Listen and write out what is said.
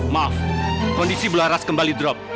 maaf kondisi bola ras kembali drop